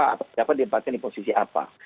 atau siapa diempatkan di posisi apa